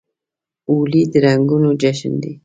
هولي د رنګونو جشن دی.